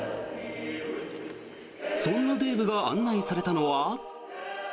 そんなデーブが案内されたのは。